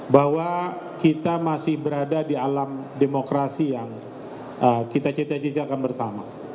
bahwa kita masih berada di alam demokrasi yang kita cita citakan bersama